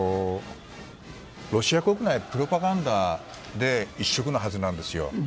ロシア国内、プロパガンダで一色のはずなんですよ。